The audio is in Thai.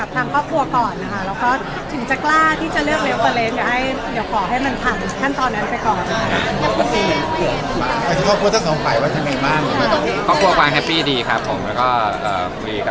ทำข้อปลูกก่อนนะคะแล้วก็ถึงจะกล้าที่จะเลือกเรียบกว่าเรน